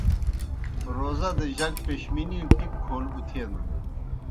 روزہ دہ جک پیشمِنِی ٹِکیْ کھون اُتھینَن۔